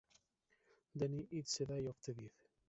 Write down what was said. Danny: It's the day of the dead!